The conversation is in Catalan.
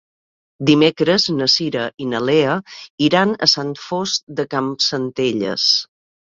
Dimecres na Cira i na Lea iran a Sant Fost de Campsentelles.